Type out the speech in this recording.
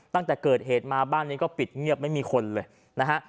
ตั้งแต่เกิดเหตุมาบ้านนี้ก็ปิดเงียบไม่มีคนเลยนะฮะ